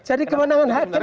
jadi kewenangan hakim dong